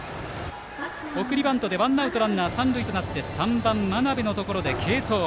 送りバントでワンアウトランナー、三塁となり３番、真鍋のところで継投。